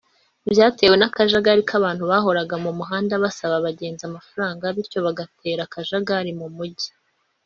byatewe nakajagari k’abantu bahoraga mu muhanda basaba abagenzi amafaranga bityo bigatera akajagari mu mujyi